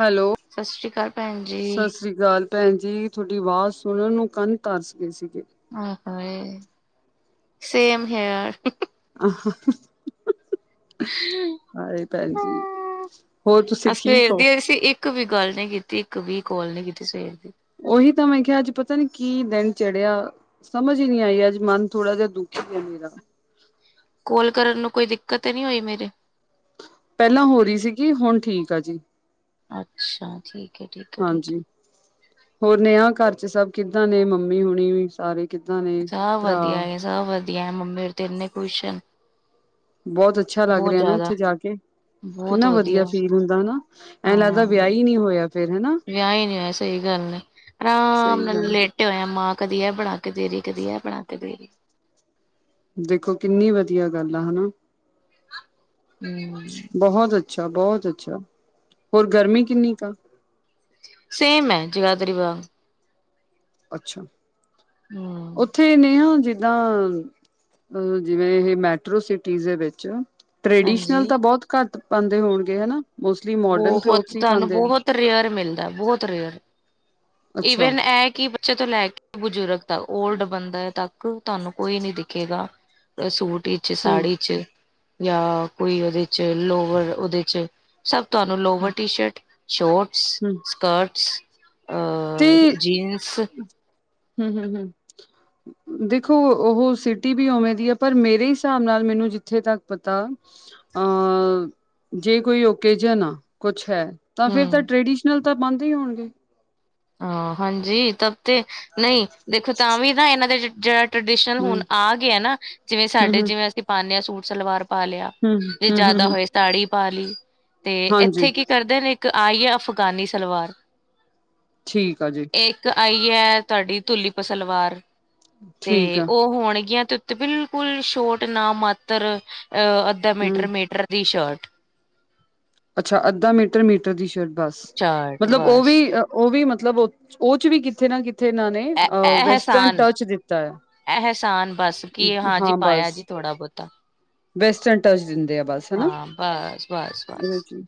Hello. ਸਤਿ ਸ੍ਰੀ ਅਕਾਲ ਭੈਣ ਜੀ। ਸਤਿ ਸ੍ਰੀ ਅਕਾਲ ਭੈਣ ਜੀ ਤੁਹਾਡੀ ਆਵਾਜ਼ ਸੁਣਨ ਨੂੰ ਕੰਧ ਤਰਸ ਗਏ ਸੀਗੇ। ਆ ਹਾਏ ਸੇਮ ਹੇਅਰ। ਆਹੋ। ਹਾਏ ਭੈਣ ਜੀ ਹੋਰ ਤੁਸੀਂ ਅਸ ਠੀਕ ਸਵੇਰ ਹੋ? ਦੀ ਅਸੀਂ ਇੱਕ ਵੀ ਗੱਲ ਨੀ ਕੀਤੀ ਇੱਕ ਵੀ ਕੋਲ ਨੀ ਕੀਤੀ ਸਵੇਰ ਦੀ। ਉਹੀ ਤਾਂ ਮੈਂ ਕਿਹਾ ਅੱਜ ਪਤਾ ਨੀ ਕੀ ਦਿਨ ਚੜ੍ਹਿਆ। ਸਮਝ ਹੀ ਨਹੀਂ ਆਈ ਅੱਜ ਮਨ ਥੋੜਾ ਜਿਹਾ ਦੁਖੀ ਗਿਆ ਮੇਰਾ। ਕੋਲ ਕਰਨ ਨੂੰ ਕੋਈ ਦਿੱਕਤ ਨਹੀਂ ਹੋਈ ਮੇਰੇ। ਪਹਿਲਾਂ ਹੋ ਰਹੀ ਸੀਗੀ ਹੁਣ ਠੀਕ ਆ ਜੀ। ਅੱਛਾ, ਠੀਕ ਹੈ -ਠੀਕ ਹੈ -ਠੀਕ ਹਾਂਜੀ ਹੈ! ਹੋਰ ਨੇ ਆ ਘਰ ਚ ਸਭ ਕਿੱਦਾਂ ਨੇ ਮੰਮੀ ਹੁਣੀ ਸਾਰੇ। ਕਿੱਦਾਂ ਨੇ ਸਭ ਭਰਾ ਵਧੀਆ -ਸਭ ਵਧੀਆ ਮੰਮੀ ਤੇ ਇਨੇ ਖੁਸ਼ ਹੈ। ਬਹੁਤ ਅੱਛਾ ਲੱਗ ਰਿਹਾ ਨਾ ਉੱਥੇ ਜਾ ਕੇ, ਕਿੰਨਾ ਵਧੀਆ ਫੀਲ ਹੁੰਦਾ ਹਨਾ, ਐਂ ਲੱਗਦਾ ਹਾਂ ਵਿਆਹ ਹੀ ਨਹੀਂ ਹੋਇਆ। ਫੇਰ ਹਨਾ ਵਿਆਹ ਹੀ ਨਹੀਂ ਹੋਇਆ ਸਹੀ ਗਲ ਸਹੀ ਗੱਲ ਏ। ਟਿਉ ਐ ਮਾਂ ਕਦੀ ਇਹ ਬਣਾ ਕੇ ਦੇ ਰਹੀ ਕਦੀ ਇਹ ਬਣਾ ਕੇ ਦੇ ਰਹੀ। ਦੇਖੋ ਕਿੰਨੀ ਵਧੀਆ ਗੱਲ ਆ ਹਨਾ। ਹਮ ਬਹੁਤ ਅੱਛਾ- ਬਹੁਤ ਅੱਛਾ! ਹੋਰ ਗਰਮੀ ਕਿੰਨੀ ਕੁ ਆ? ਸੇਮ ਹੈ ਜਗਾਧਰੀ ਵਾਂਗ। ਅੱਛਾ। ਹਮ। ਉੱਥੇ ਨੇ ਆ ਜਿੱਦਾਂ ਜਿਵੇਂ ਇਹ ਮੈਟਰੋ ਸਿਟੀਜ ਦੇ ਵਿਚ। ਟ੍ਰਡੀਸ਼ਨਲ ਹਾਂਜੀ ਤਾਂ ਬਹੁਤ ਘੱਟ ਪਾਉਂਦੇ ਹੋਣਗੇ ਹਨਾ, ਮੋਸਟਲੀ ਮੋਡਨ ਬਹੁਤ ਕਲੋਥਸ ਹੀ ਤੁਹਾਨੂੰ ਪਾਉਂਦੇ ਆ। ਬਹੁਤ ਰੇਅਰ ਮਿਲਦਾ ਬਹੁਤ ਰੇਅਰ। ਅੱਛਾ, ਈਵਨ ਇਹ ਕਿ ਬੱਚੇ ਤੋਂ ਲੈ ਕੇ ਬਜ਼ੁਰਗ ਤੱਕ ਓਲਡ ਬੰਦਾ ਤੱਕ। ਤੁਹਾਨੂੰ ਕੋਈ ਨੀ ਦਿਖੇਗਾ ਸੂਟ ਵਿੱਚ ਹੂੰ, ਸਾੜੀ ਚ। ਜਾਂ ਕੋਈ ਉਹਦੇ ਚ ਲੋਵਰ ਉਹਦੇ ਚ ਸਭ ਤੁਹਾਨੂੰ ਲੋਵਰ ਟੀ ਸ਼ਰਟ। ਸ਼ੋਟਸ। ਹਮ। ਸਕਰਟਸ ਅ ਜੀਨਸ। ਹਮ- ਹਮ -ਹਮ! ਦੇਖੋ, ਉਹ ਸਿਟੀ ਵੀ ਉਵੇਂ ਦੀ ਆ। ਪਰ ਮੇਰੇ ਹਿਸਾਬ ਨਾਲ ਮੈਨੂੰ ਜਿੱਥੇ ਤੱਕ ਪਤਾ ਅ ਜੇ ਕੋਈ ਓਕੇਜਨ ਆ ਕੁਛ ਹੈ। ਤਾਂ ਫੇਰ ਤਾਂ ਹਮ ਟਰੈਡੀਸ਼ਨਲ ਤਾਂ ਬੰਦ ਹੀ ਹੋਣਗੇ। ਹਹ ਹਾਂਜੀ ਤਬ ਤੇ ਨਹੀਂ ਦੇਖੋ ਤਾਂ, ਵੀ ਨਾ ਇਹਨਾਂ ਦੇ ਜਿਹੜਾ ਟ੍ਰਡੀਸ਼ਨਲ ਹੁਣ ਹੂੰ, ਆ ਗ ਨਾ। ਜਿਵੇਂ ਹੂੰ, ਸਾਡੇ ਹੂੰ, ਜਿਵੇਂ ਅਸੀਂ ਪਾਉਂਦੇ ਹਾਂ ਸੂਟ ਸਲਵਾਰ ਪਾ ਲਿਆ ਹੂੰ, ਜੇ ਹੂੰ, ਹੂੰ, ਜ਼ਿਆਦਾ ਹੂੰ। ਹੋਏ। ਤਾੜੀ ਪਾ ਲਈ ਤੇ, ਹਾਂਜੀ ਇੱਥੇ ਕੀ ਕਰਦੇ ਨੇ ਇੱਕ ਆਈ ਹੈ। ਅਫਗਾਨੀ ਸਲਵਾਰ ਠੀਕ ਆ ਜੀ। ਇੱਕ ਆਈ ਹੈ ਤੁਹਾਡੀ ਧੁਲੀਪ ਸਲਵਾਰ ਤੇ ਠੀਕ ਆ ਉਹ ਹੋਣਗੀਆਂ ਤੇ। ਤੇ ਬਿਲਕੁਲ ਸ਼ੋਟ ਨਾ ਮਾਤਰ, ਅ ਅੱਧਾ ਹੂੰ ਮੀਟਰ -ਮੀਟਰ ਦੀ ਸ਼ਰਟ ਅੱਛਾ ਅੱਧਾ ਮੀਟਰ- ਮੀਟਰ ਦੀ ਸ਼ਰਟ ਬਸ ਸ਼ਰਟ ਮਤਲਬ ਉਹ ਬਸ ਵੀ ਉਹ ਵੀ ਮਤਲਬ, ਉਹ, ਚ ਵੀ ਕਿਥੇ ਨਾ ਕਿਥੇ ਇਹਨਾਂ ਨੇ ਵੈਸਟਰਨ ਟਚ ਦਿੱਤਾ ਹੈ। ਇਹਸਾਨ ਬੱਸ ਕੀ, ਹਾਂਜੀ ਹਾਂ ਬਸ ਪਾਇਆ ਜੀ ਥੋੜਾ ਬਹੁਤਾ ਵੈਸਟਰਨ ਟੱਚ ਦਿੰਦੇ ਆ। ਬਸ ਹਨਾ। ਉਹਦੇ ਬੱਸ-ਬੱਸ-ਬੱਸ ਚ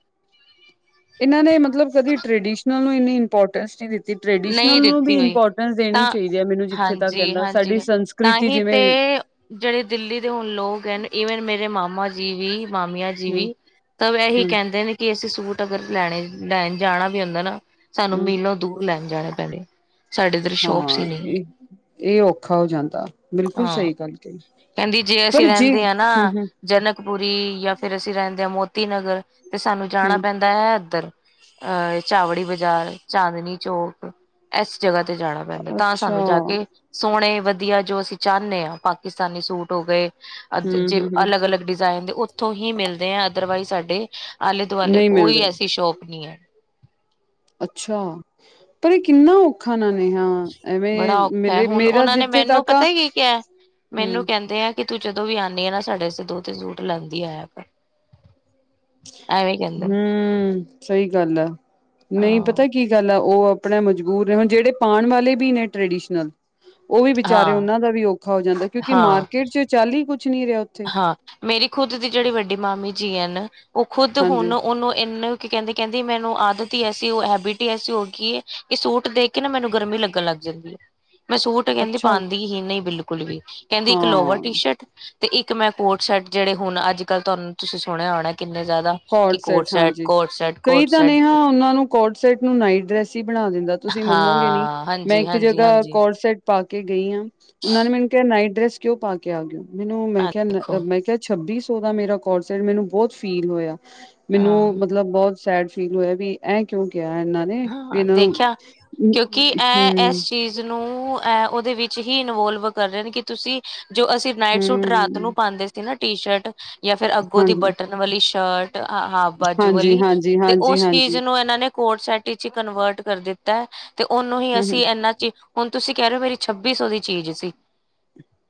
ਇਹਨਾਂ ਨੇ ਮਤਲਬ, ਕਦੇ ਟ੍ਰਡੀਸ਼ਨਲ ਨੂੰ ਇੰਨੀ ਇੰਪੋਰਟੈਂਸ ਨਹੀਂ ਦਿੱਤੀ। ਨਹੀਂ ਟ੍ਰਡੀਸ਼ਨਲ ਨੂੰ ਦਿੱਤੀ ਵੀ ਹੋਈ ਇੰਪੋਰਟੈਂਸ ਦੇਣੀ ਤਾਂ ਚਾਹੀਦੀ ਹੈ। ਮੈਨੂੰ ਜਿੱਥੇ ਤ ਹਾਂਜੀ ਕਹਿੰਦਾ ਸਾਡੀ ਹਾਂਜੀ ਤਾਂ ਸੰਸਕ੍ਰਿਤੀ ਹੀ ਤੇ ਜਿਵੇਂ ਜਿਹੜੇ ਦਿੱਲੀ ਦੇ ਹੁਣ ਲੋਕ ਹਨ। ਈਵਨ ਮੇਰੇ ਮਾਮਾ ਜੀ ਵੀ ਮਾਮੀਆਂ। ਹੂੰ ਜੀਵੀ, ਤਾਂ ਇਹੀ ਹੂੰ ਕਹਿੰਦੇ ਨੇ ਕਿ ਅਸੀਂ ਸੂਟ ਅਗਰ ਲੈਣੇ, ਲੈਣ ਜਾਣਾ ਵੀ ਹੁੰਦਾ ਨਾ। ਸੇਨੂ ਹੂੰ ਮੀਲੋਂ ਦੂਰ ਲੈਨ ਜਾਣੇ ਪੈਂਦੇ। ਸਾਡੇ ਇੱਧਰ ਸ਼ੋਪਸ ਹੀ ਹਾਂ, ਨਹੀਂ ਹੈ ਇਹ, ਇ ਔਖਾ ਹੋ ਜਾਂਦਾ। ਬਿਲਕੁਲ ਸਹੀ ਗੱਲ। ਕਹੀ ਕੈਂਦੀ ਜੇ ਪਰ ਅਸੀਂ ਰੈਂਦੇ ਆ ਹੂੰ ਨਾ। ਹੂੰ ਜਨਕਪੁਰੀ ਯਾ, ਫੇਰ ਅਸੀਂ ਰੈਂਦੇ ਆ ਮੋਤੀ ਨਗਰ, ਤੇ ਸਾਨੂ ਜਾਣਾ ਹੂੰ, ਪੈਂਦਾ ਦਾ ਐ ਐਦਰ ਅ ਚਾਵੜੀ ਬਾਜ਼ਾਰ, ਚਾਂਦਨੀ ਚੌਕ ਐਸ ਜਗਾ ਤੇ ਜਾਣਾ ਪੈਂਦੈ, ਤਾ ਅੱਛਾ ਸਾਨੂੰ ਜਾ ਕੇ ਸੋਣੇ ਵਧੀਆ। ਜੋ ਅਸੀਂ ਚਾਨੇ ਆ, ਪਾਕਿਸਤਾਨੀ ਸੂਟ ਹੋ ਗਏ ਅਦੇ ਜੇ ਹੂੰ-ਹੂੰ-ਹੂੰ ਅਲੱਗ- ਅਲੱਗ ਡਿਜ਼ਾਇਨ ਦੇ, ਓਥੋਂ ਹੀ ਮਿਲਦੇ ਐ। ਅਦਰਵਾਈਜ਼ ਸਾਡੇ ਆਲੇ-ਦੁਆਲੇ ਨਹੀਂ ਮਿਲਦੇ ਕੋਈ ਐਸੀ ਸ਼ੋਪ ਨੀ ਐ। ਅੱਛਾ, ਪਰ ਇ ਕਿੰਨਾ ਔ ਔਖਾ ਨਾਲੇ। ਹਾਂ, ਐਵੇਂ ਬੜਾ ਔਖਾ ਹੈ ਮੇਰੇ ਹੁਣ ਮੇਰਾ ਉਹਨਾਂ ਨੇ ਜਿੱਥੇ ਮੈਨੂੰ ਤੱਕ ਆ। ਪਤਾ ਕੀ ਕਿਹਾ ਮੈਨੂੰ ਹੂੰ ਕੈਂਦੇ ਐ ਕਿ ਤੂੰ ਜਦੋਂ ਵੀ ਆਨੀ ਏ ਨਾ ਸਾਡੇ ਅਸਤੇ ਦੋ- ਤਿਨ ਸੂਟ ਲੈਂਦੀ ਆਇਆ ਕਰ। ਐਵੇਂ ਕਹਿੰਦੇ ਨੇ ਹੂੰ, ਸਈ ਗੱਲ ਆ। ਨਈ ਪਤੈ ਹਾਂ ਕਿ ਕੀ ਗੱਲ ਆ, ਓ ਅਪਣਾ ਮਜਬੂਰ ਨੇ, ਹੁਣ ਜੇੜੇ ਪਾਣ ਵਾਲੇ ਵੀ ਨੇ ਟ੍ਰਡੀਸ਼ਨਲ ਓ ਵੀ ਵਿਚਾਰੇ ਹਾਂ ਓਨਾਂ ਦਾ ਵੀ ਔਖਾ ਹੋ ਜਾਂਦੇ। ਕਿਉਂਕਿ ਹਾਂ ਮਾਰਕੀਟ ਚ, ਚਲ ਈ ਕੁਛ ਨੀ ਰਿਆ ਓਥੇ। ਹਾਂ, ਮੇਰੀ ਖੁਦ ਦੀ ਜੇੜੀ ਵੱਡੀ ਮਾਮੀ ਜੀ ਏਨ, ਓ ਖੁਦ ਹੁਣ ਹਾਂਜੀ ਓਨੂੰ ਇਨ ਕੀ ਕੈਂਦੇ, ਕੈਂਦੀ ਮੈਨੂੰ ਆਦਤ ਈ ਐਸੀ ਹੋ, ਹੈਬਿਟ ਹੀ ਐਸੀ ਹੋਗੀ ਏ, ਕਿ ਸੂਟ ਦੇਖ ਕੇ ਨਾ, ਮੈਨੂੰ ਗਰਮੀ ਲੱਗਣ ਲੱਗ। ਲੱਗ ਜਾਂਦੀ ਏ। ਮੈਂ ਸੂਟ ਕੈਂਦੀ ਅੱਛਾ ਪਾਂਦੀ ਹੀ ਨਈ ਬਿਲਕੁਲ ਵੀ, ਕੈਂਦੀ ਇੱਕ ਲੋਵਰ, ਟੀ- ਹਾਂ ਸ਼ਰਟ ਤੇ ਇੱਕ ਮੈਂ ਕੌਡ ਸੈਟ ਜੇੜੇ ਹੁਨ, ਅੱਜ- ਕੱਲ ਤੁਆਨੂੰ ਤੁਸੀ ਸੁਣਿਆ ਹੋਣੈ ਕਿੰਨੇ ਜਾਦਾ, ਕੋਡ ਕਿ ਸੈਟ ਕੌਡਸੈਟ, ਹਾਂਜੀ। ਕੌਡਸੈਟ, ਕੌਡਸੈਟ। ਕੋਟਸੈਟ ਨੂੰ ਨਾਈਟ ਡਰੈਸ ਹੀ ਬਣਾ ਦੇਂਦਾ। ਤੁਸੀਂ ਮੰਨੋਗੇ ਨੀ, ਹਾਂ ਮੈਂ ਹਾਂਜੀ ਇੱਕ ਹਾਂਜੀ ਜਗਾ ਹਾਂਜੀ ਕੋਟਸੈਟ ਪਾ ਕੇ ਗਈ ਆ, ਓਨਾਂ ਨੇ ਮੈਨ ਕਿਆ ਨਾਈਟ ਡਰੈਸ- ਕਿਉਂ ਪਾ ਕੇ ਆ ਗੇ ਓ। ਮੈਨੂੰ, ਮੈਂ ਹਾਂ ਕਿਆ ਨ ਦੇਖੋ ਮੈਂ ਕਿਆ ਛੱਬੀ ਸੌ ਦਾ ਮੇਰਾ ਕੋਟਸੈਟ ਮੈਨੂੰ ਬੋਤ ਫ਼ ਫੀਲ ਹੋਇਆ। ਮੈਨੂੰ ਹਾਂ ਮਤਲਬ ਬੋਤ ਸੈਡ ਫੀਲ ਹੋਇਆਂ। ਬੀ ਐ ਕਿਉਂ ਕਿਯਾ ਐਨਾਂ ਹਾਂ ਦੇਖਿਆ, ਕਿਉਂਕਿ ਐ ਹਮ ਐਸ ਚੀਜ਼ ਨੂੰ ਅ ਓ ਦੇ ਵਿੱਚ ਹੀ ਇਨਵੋਲਵ ਕਰ ਰੇ ਨੇ, ਕਿ ਤੁਸੀਂ ਜੋ ਅਸੀ ਨਾਈਟ ਸੂਟ ਰਾਤ ਨੂੰ ਪਾਂਦੇ ਸੀ। ਤੇ ਨਾ ਟੀ ਸ਼ਰਟ ਯਾ ਫੇਰ ਅੱਗੋਂ ਦੀ ਹਮ ਬਟਨ ਵਾਲੀ ਸ਼ਰਟ ਅ ਹਾਫ਼ ਬਾਜੂ ਹਾਂਜੀ ਹਾਂਜੀ ਵਾਲੀ ਹਾਂਜੀ ਤੇ ਹਾਂਜੀ ਉਸ ਚੀਜ਼ ਹਾਂਜੀ ਨੂੰ ਐਨਾਂ ਨੇ ਕੋਟਸੈਟ ਟੇ ਚ ਈ ਕਨਵਰਟ ਕਰ ਦਿੱਤੈ ਤੇ ਓਨੂੰ ਹੀ ਹਮ ਹਮ ਅਸੀਂ ਐਨਾ ਚ ਈ ਹੁਨ ਤੁਸੀਂ ਕੈ ਰੇ ਓ ਮੇਰੀ ਛੱਬੀ ਸੌ ਦੀ ਚੀਜ਼ ਸੀ,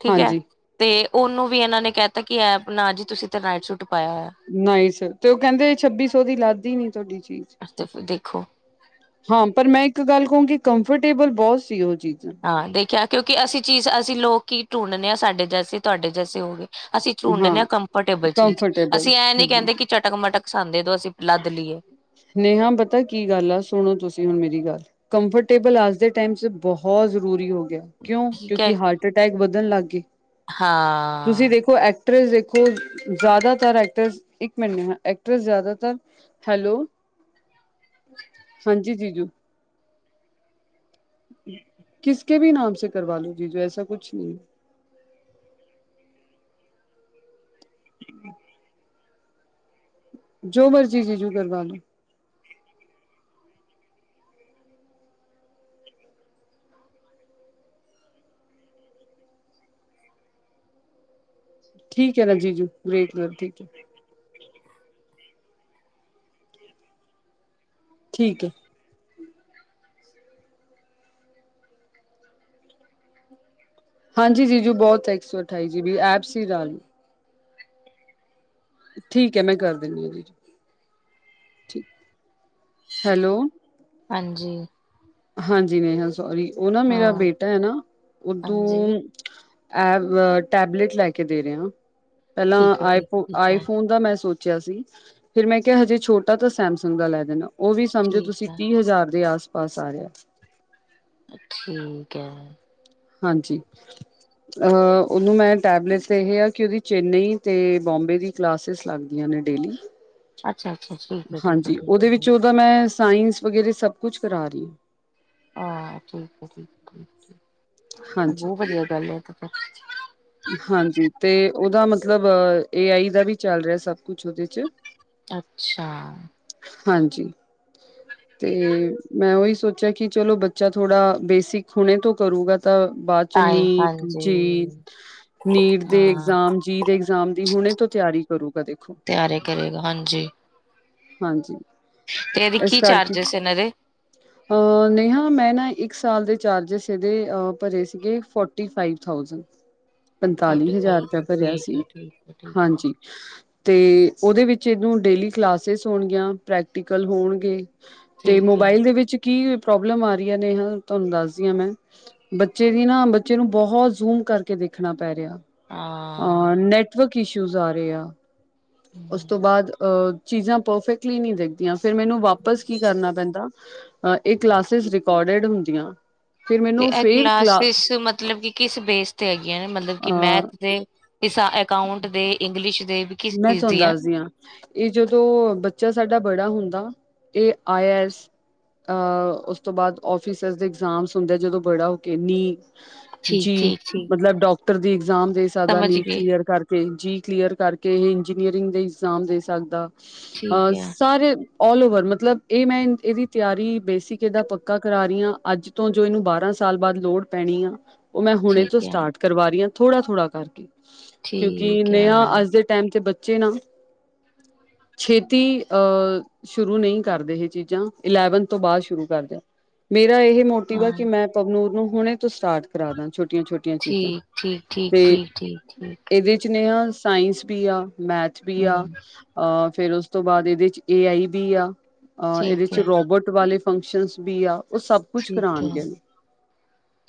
ਠੀਕ ਐ। ਹਾਂਜੀ ਤੇ ਓਨੂੰ ਵੀ ਐਨਾਂ ਨੇ ਕੈਤਾ ਕਿ ਐ ਅਪਨਾ ਜੀ ਤੁਸੀਂ ਤਾ ਨਾਈਟ ਸੂਟ ਪਾਇਆ ਹੋਇਆ। ਨਾਇਸ, ਤੇ ਓ ਕੈਂਦੇ ਛੱਬੀ ਸੌ ਦੀ ਲੱਗਦੀ ਨੀ ਤੁਆਡੀ ਚੀਜ਼ ਐ ਤੇ ਫੇਰ ਦੇਖੋ ਹਾਂ, ਪਰ ਮੈਂ ਇੱਕ ਗੱਲ ਕਓਂਗੀ ਕੰਫਰਟੇਬਲ ਬਹੁਤ ਸੀ ਓ ਚੀਜ਼ ਹਾਂ ਦੇਖਿਆ, ਕਿਉਂਕਿ ਅਸੀਂ ਚੀਜ਼ ਅਸੀਂ ਲੋਕ ਈ ਟੂੰਡਨੇ ਆ ਸਾਡੇ ਜੈਸੇ ਤੁਆਡੇ ਜੈਸੇ ਹੋਗੇ ਅਸੀਂ ਹਾਂ ਟੂਡਨੇ ਆ ਕੰਫਰਟੇਬਲ ਚੀਜ਼, ਕੰਫਰਟੇਬਲ ਅਸੀਂ ਐ ਨੀ ਕੈਂਦੇ ਕਿ ਚਟਕ- ਮਟਕ ਸਾਨੁ ਦੇਦੋ ਅਸੀਂ ਲੱਦ ਲਈਏ ਨੇਹਾ ਪਤਾ ਕੀ ਗਲਤ ਐ, ਸੂਨੋ ਤੁਸੀ ਹੂਨ ਮੇਰੀ ਗਲ ਕੰਫਰਟੇਬਲ ਅੱਜ ਦੇ ਟੈਮ ਚ ਬਹੁਤ ਜ਼ਰੂਰੀ ਹੋ ਗਿਆ ਕਿਉਂ, ਠੀਕ ਹੈ ਕਿਉਂਕਿ ਹਾਰਟ ਅਟੈਕ ਵਦਨ ਲੱਗਗੇ ਤੁਸੀਂ ਹਾਂ ਦੇਖੋ ਐਕਟਰੈਸ ਦੇਖੋ, ਜਿਆਦਾਤਰ ਐਕਟਰੈਸ ਇਕ ਮਿੰਟ ਨੇਹਾ ਐਕਟਰੈਸ ਜਿਆਦਾਤਰ ਹੈਲੋ, ਹਨਜੀ ਜੀਜੂ ਕਿਸ ਕੇ ਭੀ ਨਾਮ ਸੇ ਕਰਵਾ ਲੋ ਜੀਜੂ ਏਸਾ ਕੂਛ ਭੀ ਨਹੀ ਜੋ ਮਰਜੀ ਜੀਜੂ ਕਰਵਾ ਲੋ ਠੀਕ ਐ ਨਾ ਜੀਜੂ, ਵੇਟ ਕਰੋ ਠੀਕ ਐ ਠੀਕ ਐ ਹਾਂਜੀ ਜੀਜੂ ਬਹੁਤ ਹੈ ਇੱਕ ਸੌ ਅਠਾਈ ਜੀ ਬੀ ਐਪਸ ਹੀ ਜਾਰੀ ਠੀਕ ਐ ਮੈਂ ਕਰ ਦੇਨੀ ਆ ਜੀਜੂ, ਹੈਲੋ ਹਾਂਜੀ। ਹਾਂਜੀ ਨੇਹਾ ਸੋਰੀ, ਓ ਨਾ ਮੇਰਾ ਹਾਂ ਬੇਟਾ ਐ ਨਾ, ਹਾਂਜੀ ਉਦੋਂ ਐ ਟੈਬਲੇਟ ਲੈਕੇ ਦੇ ਰੇਆ, ਪਹਿਲਾਂ ਠੀਕ ਹੈ ਠੀਕ ਆਈਫੋਨ ਹੈ ਆਈਫੋਨ ਦਾ ਮੈਂ ਸੋਚ ਸੋਚਿਆ ਸੀ ਫਿਰ ਮੈਂ ਕਿਹਾ ਹਜੇ ਛੋਟਾ ਤਾਂ ਸੈਮਸੰਗ ਦਾ ਲੈ ਦੇਵੇ ਆ ਉਹ ਵੀ ਸਮਝੋ ਠੀਕ ਤੁਸੀਂ ਹੈ ਤੀਹ ਹਜ਼ਾਰ ਦੇ ਆਸ-ਪਾਸ ਆਏਗਾ ਠੀਕ ਐ ਹਾਂਜੀ ਉਹਨੂੰ ਮੈਂ ਟੈਬਲੇਟ ਤੇ ਇਹ ਆ ਕਿ ਉਹਦੀ ਚੈਨਈ ਅਤੇ ਬੋਂਬੇ ਦੀ ਕਲਾਸਿਸ ਲੱਗਦੀਆਂ ਨੇ ਡੇਲੀ ਅੱਛਾ -ਅੱਛਾ ਠੀਕ ਹੈ ਠੀਕ ਹੈ ਹਾਂਜੀ ਠੀਕ ਉਹਦੇ ਹੈ ਵਿੱਚ ਠੀਕ ਉਹਦਾ ਮੈਂ ਸਾਇੰਸ ਵਗੈਰਾ ਸਭ ਕੁਛ ਕਰਾ ਰਹੀ ਆ ਹਾਂ ਠੀਕ ਏ ਠੀਕ ਏ ਠੀਕ ਹਾਂਜੀ ਬਹੁਤ ਵਦੀਆ ਗੱਲ ਇਹ ਤ ਪੈਨ ਜੀ ਹਾਂਜੀ ਤੇ ਉਹਦਾ ਮਤਲਬ ਏ ਆਈ ਦਾ ਵੀ ਚੱਲ ਰਿਆ ਸਭ ਕੁਛ ਉਹਦੇ ਚ ਅੱਛਾ ਹਾਂਜੀ ਤੇ ਮੈਂ ਉਹੀ ਸੋਚਿਆ ਕਿ ਚਲੋ ਬੱਚਾ ਥੋੜਾ ਬੇਸਿਕ ਹੁਨੇ ਤੋਂ ਕਰੂਗਾ ਤਾਂ ਬਾਅਦ ਤਾਂਹੀ ਚੰਨੀਈ ਹਾਂਜੀ ਜੇ ਨੀਟ ਦੇ ਹਾਂ ਇਗਜ਼ਾਮ ਜੀ ਦੇ ਇਗਜ਼ਾਮ ਦੀ ਹੁਨੇ ਤੋਂ ਤਿਆਰੀ ਕਰੂਗਾ ਦੇਖੋ ਤਿਆਰੇ ਕਰੇਗਾ ਹਾਂਜੀ ਹਾਂਜੀ ਤੇ ਇਹਦੀ ਇਸ ਕੀ ਕਰਕੇ ਚਾਰਜਿਸ ਇਹਨਾਂ ਦੇ ਅ ਨੇਹਾ ਮੈਂ ਨਾ ਇੱਕ ਸਾਲ ਦੇ ਚਾਰਜਿਸ ਇਹਦੇ ਅ ਭਰੇ ਸੀਗੇ ਫੋਰਟੀ ਫਾਈਵ ਥਾਉਸੈਂਡ ਫੋਰਟੀ ਪੰਤਾਲੀ ਹਜ਼ਾਰ ਰੁਪਆ ਫਾਈਵ ਭਰਿਆ ਠੀਕ ਆ ਸੀ, ਠੀਕ ਆ ਠੀਕ ਆ ਹਾਂਜੀ ਤੇ ਉਹਦੇ ਵਿੱਚ ਇਹਨੂੰ ਡੇਲੀ ਕਲਾਸਿਸ ਹੋਨਗੀਆਂ ਪ੍ਰੈਕਟੀਕਲ ਹੋਨਗੇ ਤੇ ਠੀਕ ਆ ਮੋਬਾਇਲ ਦੇ ਵਿਚ ਕੀ ਪ੍ਰੋਬਲਮ ਆ ਰਈ ਹੈ ਨੇਹਾ ਤੁਹਾਨੂੰ ਦੱਸਦੀ ਆ ਮੈਂ ਬੱਚੇ ਦੀ ਨਾ ਬੱਚੇ ਨੂੰ ਬਹੁਤ ਜ਼ੂਮ ਕਰਕੇ ਦੇਖਨਾ ਪੈ ਰਿਹਾ ਹਾਂ। ਆ ਨੈਟਵਰਕ ਇਸ਼ੂਜ਼ ਆ ਰਹੇ ਆ ਉਸ ਹਮ ਤੋਂ ਬਾਅਦ ਆ ਚੀਜ਼ਾਂ ਪਰਫੈਕਟਲੀ ਨਹੀਂ ਰਹਿੰਦੀਆਂ ਫਿਰ ਮੈਨੂੰ ਵਾਪਸ ਕੀ ਕਰਨਾ ਪੈਂਦਾ ਇਹ ਕਲਾਸਿਸ ਰਿਕੋਡੇਡ ਹੁੰਦੀਆਂ ਫਿਰ ਤੇ ਮੈਨੂੰ ਇਹ ਫਿਰ ਕਲਾ ਕਲਾਸਿਸ ਮਤਲਬ ਕਿ ਕਿਸ ਬੇਸ ਤੇ ਹੈਗੀਆਂ ਨੇ ਮਤਲਬ ਕਿ ਮੈਥ ਅ ਦੇ ਸਾ ਅਕਾਊਂਟ ਦੇ ਇੰਗਲਿਸ਼ ਦੇ ਕਿਸ ਮੈਂ ਚੀਜ਼ ਦੀ ਚੁੰਦਾ ਆ ਇਹ ਜਦੋਂ ਬੱਚਾ ਸਾਡਾ ਬੜਾ ਹੁੰਦਾ ਇਹ ਆਇਸ ਆ ਉਸ ਤੋਂ ਬਾਅਦ ਅਫਿਸੇਸ ਦੇ ਇਗਜ਼ਾਮ ਹੁੰਦੇ ਜਦੋਂ ਬੜਾ ਹੋ ਕੇ ਨੀ ਠੀਕ ਜੀ ਠੀਕ ਠੀਕ ਮਤਲਬ ਡਾਕਟਰ ਦੀ ਇਗਜ਼ਾਮ ਦੇ ਸਕਦਾ ਸਮਝ ਨੀਟ ਗਏ ਕਲੀਅਰ ਕਰ ਜੀ ਕਲੀਅਰ ਕਰਕੇ ਇਹ ਇੰਜੀਨੀਅਰਿੰਗ ਦੇ ਇਗਜ਼ਾਮ ਦੇ ਸਕਦਾ ਠੀਕ ਆ ਹੈ ਸਾਰੇ ਆਲ ਓਵਰ ਮਤਲਬ ਇਹ ਮੈਂ ਇਹਦੀ ਤਿਆਰੀ ਬੇਸਿਕ ਇਹਦਾ ਪੱਕਾ ਕਰਾ ਰਹੀ ਹਾਂ ਅੱਜ ਤੋਂ ਜੋ ਇਹਨੂੰ ਬਾਰਾਂ ਸਾਲ ਬਾਅਦ ਲੋੜ ਪੈਣੀ ਆ ਉਹ ਮੈਂ ਹੁਣੇ ਤੋਂ ਠੀਕ ਹੈ ਸਟਾਰਟ ਕਰਵਾ ਰਹੀ ਹਾਂ ਥੋੜਾ ਥੋੜਾ ਕਰਕੇ ਕਿਉਂਕਿ ਠੀਕ ਹੈ ਨਿਆ ਅੱਜ ਦੇ ਟਾਈਮ ਤੇ ਬੱਚੇ ਨਾ ਛੇਤੀ ਅਹ ਸ਼ੁਰੂ ਨਹੀਂ ਕਰਦੇ ਇਹ ਚੀਜ਼ਾਂ ਇਲੈਵਨ ਤੋਂ ਬਾਅਦ ਸ਼ੁਰੂ ਕਰਦੇ ਮੇਰਾ ਇਹ ਮੋ ਮੋਟਿਵ ਹੈ ਹਾਂ ਕਿ ਮੈਂ ਪਵਨੂਰ ਨੂੰ ਹੁਣੇ ਤੋਂ ਸਟਾਰਟ ਕਰਾ ਦਾ ਛੋਟੀਆਂ ਛੋਟੀਆਂ ਚੀਜ਼ਾਂ ਠੀਕ ਠੀਕ ਠੀਕ ਤੇ ਠੀਕ ਠੀਕ ਠੀਕ ਇਹਦੇ ਚ ਨੇਹਾ ਸਾਇੰਸ ਵੀ ਆ ਮੈਥ ਵੀ ਆ ਹਮ ਹਾਂ ਫਿਰ ਉਸ ਤੋਂ ਬਾਅਦ ਇਹਦੇ ਚ ਏ ਆਈ ਬੀ ਆ ਆ ਇਹਦੇ ਠੀਕ ਚ ਹੈ ਰੋਬਰਟ ਵਾਲੇ ਫੰਕਸ਼ਨ ਵੀ ਆ ਉਹ ਸਭ ਕੁਛ ਠੀਕ ਹੈ ਕਰਾਣਗੇ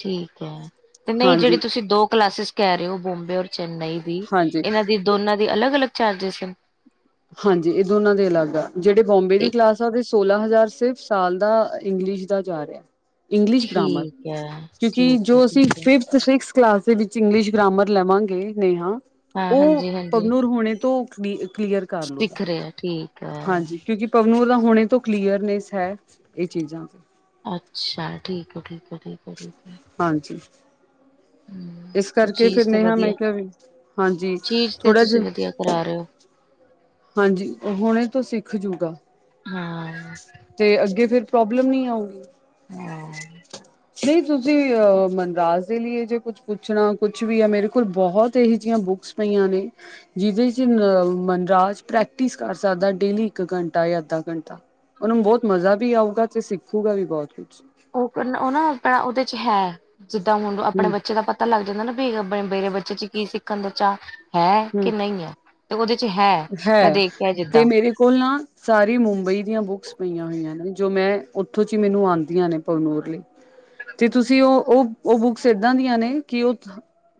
ਠੀਕ ਹੈ ਤੇ ਨਹੀਂ ਜਿਹੜੀ ਹਾਂਜੀ। ਤੁਸੀਂ ਦੋ ਕਲਾਸਿਸ ਕਹਿ ਰਹੇ ਹੋ ਬੁੰਬੇ ਔਰ ਚੈਨਈ ਦੀ ਹਾਂਜੀ, ਇਹਨਾਂ ਦੀ ਦੋਨਾਂ ਦੀ ਅਲੱਗ ਅਲੱਗ ਚਾਰਜਿਸ ਹੈ। ਹਾਂਜੀ ਇਹ ਦੋਨਾਂ ਦੇ ਅਲੱਗ ਆ ਜਿਹੜੇ ਬੁੰਬੇ ਦੀ ਕਲਾਸ ਸੋਲਾਂ ਹਜ਼ਾਰ ਸਿਰਫ ਸਾਲ ਦਾ ਇੰਗਲਿਸ਼ ਦਾ ਜਾ ਰਿਹਾ ਇੰਗਲਿਸ਼ ਗ੍ਰਾਮਰ ਠੀਕ ਹੈ ਕਿਉਂਕਿ ਠੀਕ ਹੈ ਜੋ ਅਸੀਂ ਠੀਕ ਹੈ ਫਿਫਥ ਫਿਜਿਕ ਕਲਾਸ ਦੇ ਵਿੱਚ ਇੰਗਲਿਸ਼ ਗ੍ਰਾਮਰ ਲਵਾਂਗੇ ਨੇਹਾ ਹਾਂ ਉਹ ਹਾਂਜੀ ਹਾਂਜੀ ਪਵਨੂਰ ਹੋਣੇ ਤੋਂ ਨੀਟ ਕਲੀਅਰ ਕਰ ਲਓ ਦਿਖ ਰਿਹਾ ਠੀਕ ਹਾਂਜੀ ਹੈ ਕਿਉਂਕਿ ਪਵਨੂਰ ਦਾ ਹੁਣੇ ਤੋ ਕਲੀਅਰ ਨੇ ਹੈ ਏ ਚੀਜ਼ਾਂ ਅੱਛਾ, ਠੀਕ ਏ, ਠੀਕ ਏ, ਠੀਕ ਏ, ਠੀਕ ਏ ਹਾਂਜੀ ਇਸ ਕਰਕੇ ਫਿਰ ਚੀਜ਼ ਤੇ ਨੇਹਾ ਵਧੀਆ ਮੈਂ ਹੈ ਕਿਹਾ ਵੀ ਹਾਂਜੀ ਚੀਜ਼ ਤੇ ਥੋੜਾ ਤੁਸੀਂ ਜਿਹਾ ਵਧੀਆ ਜਾ ਰਹੇ ਓ ਹਾਂਜੀ, ਹੁਣੇ ਤੋਂ ਸਿੱਖ ਜੂਗਾ। ਹਾਂ ਤੇ ਅੱਗੇ ਫਿਰ ਪ੍ਰੋਬਲਮ ਨੀ ਆਊਗੀ। ਹਾਂ ਨਈ, ਤੁਸੀਂ ਆ ਮਨਰਾਜ ਦੇ ਲਿਏ ਜੇ ਕੁਛ ਪੁੱਛਣਾ, ਕੁਛ ਵੀ ਯਾ ਮੇਰੇ ਕੋਲ ਬੋਤ ਏਹੀ ਜਿਆਂ ਬੁੱਕਸ ਪਈਆਂ ਨੇ ਜਿਹਦੇ ਚ ਮਨਰਾਜ ਪ੍ਰੈਕਟਿਸ ਕਰ ਸਕਦਾ, ਡੇਲੀ ਇੱਕ ਘੰਟਾ ਯਾ ਅੱਧਾ ਘੰਟ ਉਹਨੂੰ ਬੋਤ ਮਜ਼ਾ ਵੀ ਆਊਗਾ ਤੇ ਸਿੱਖੂਗਾ ਵੀ ਬੋਤ ਕੁਛ ਓਪਨ ਓ ਨਾ ਓਦੇ ਚ ਹੈ ਸਿੱਟਾ ਮੂੰਹ ਆਪਣੇ ਹਮ ਬੱਚੇ ਦਾ ਪਤ ਪਤਾ ਲੱਗ ਜਾਂਦਾ ਨਾ, ਬੀ ਮੇਰੇ ਬੱਚੇ ਚ ਕੀ ਸਿੱਖਨ ਦਾ ਚਾ ਹੈ ਕੇ ਹਮ ਨਈ ਐ। ਤੇ ਓਦੇ ਚ ਹੈ ਮੈਂ ਦੇਖ ਲਿਆ ਜਿੱਦਾਂ ਕੋਲਾਂ ਸਾਰੀ ਮੁੰਬਈ ਦੀਆਂ ਬੁੱਕਸ ਪਈਆਂ ਹੋਈਆਂ ਨੇ ਜੋ ਮੈਂ ਓਥੋਂ ਚ ਮੈਨੂੰ ਆਂਦੀਆਂ ਨੇ ਪਵਨੂਰ ਲਈ। ਤੇ ਤੁਸੀਂ ਓ-ਓ, ਓ ਬੁਕਸ ਇਦਾਂ ਦੀਆਂ ਨੇ ਕਿ ਓ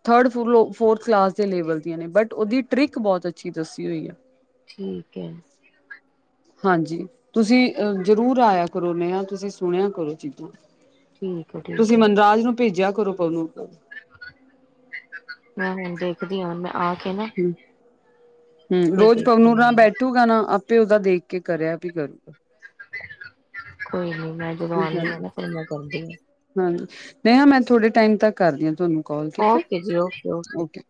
ਥਰਡ ਫਲੋ ਫੋਰਥ ਕਲਾਸ ਲੇਵਲ ਦੀਆਂ ਨੇ, ਬਟ ਉਹਦੀ ਟ੍ਰਿਕ ਬੋਤ ਅਛੀ ਦੱਸੀ ਹੋਈ ਐ। ਠੀਕ ਏ। ਹਾਂਜੀ, ਤੁਸੀ ਅ ਜ਼ਰੂਰ ਆਇਆ ਕਰੋ ਨੇਹਾ, ਤੁਸੀ ਸੁਣਿਆ ਕਰੋ ਚੀਜ਼ਾਂ। ਠੀਕ ਹੈ ਠੀਕ ਤੁਸੀ ਹੈ ਮਨਰਾਜ ਨੂੰ ਭੇਜਿਆ ਕਰੋ ਪਵਨੂਰ ਕੋਲ ਮੈਂ ਹੁਨ ਦੇਖਦੀ ਆਂ ਮੈਂ ਆ ਕੇ ਨਾ ਹੂੰ, ਹੂੰ ਫਿਰ ਰੋਜ ਪਵਨੂਰ ਦੇਖਦੀ ਨਾਲ ਹਾਂ ਬੈਠੂ ਹਨਾਂ ਆਪੇ ਓਦਾ ਦੇਖ ਕੇ ਕਰਿਆ ਵੀ ਕਰੂ ਕੋਈ ਨੀ ਮੈਂ ਜਦੋ ਆਨੀ ਆਂ ਨਾ, ਫੇਰ ਮੈਂ ਕਰਦੀ ਆਂ। ਹਾਂ, ਨੇਹਾ ਮੈਂ ਥੋੜੇ ਟਾਈਮ ਤੱਕ ਕਰਦੀ ਆ ਤੁਆਨੂੰ ਕੋਲ, ਠੀਕ ਏ, ਓਕੇ ਜੀ ਓਕੇ ਓਕੇ